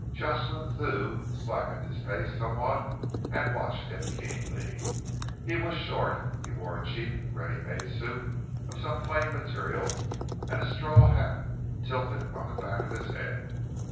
Jocelyn Thew slackened his pace somewhat and watched him keenly. He was short, he wore a cheap ready made suit of some plain material, and a straw hat tilted on the back of his head.